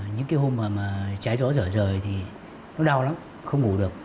những cái hôm mà trái gió dở rời thì nó đau lắm không ngủ được